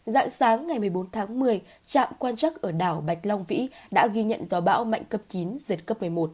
dạng sáng ngày một mươi bốn tháng một mươi trạm quan chắc ở đảo bạch long vĩ đã ghi nhận gió bão mạnh cấp chín giật cấp một mươi một